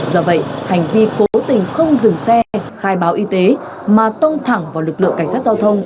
do vậy hành vi cố tình không dừng xe khai báo y tế mà tông thẳng vào lực lượng cảnh sát giao thông